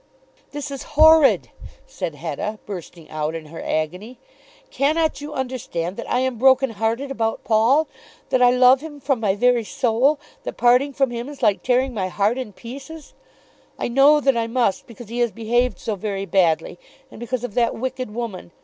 "This is horrid," said Hetta, bursting out in her agony. "Cannot you understand that I am broken hearted about Paul, that I love him from my very soul, that parting from him is like tearing my heart in pieces? I know that I must, because he has behaved so very badly, and because of that wicked woman!